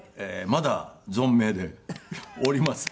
まだ存命でおります。